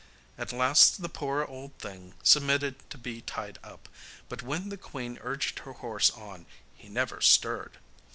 At last the poor old thing submitted to be tied up, but when the queen urged her horse on he never stirred.